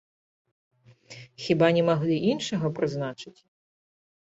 Хіба не маглі іншага прызначыць?